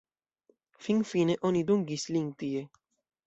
Finfine oni dungis lin tie.